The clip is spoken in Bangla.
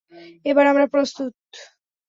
এবার আমরা প্রস্তুত।